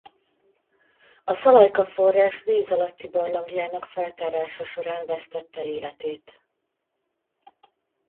A Szalajka-forrás víz alatti barlangjának feltárása során vesztette életét.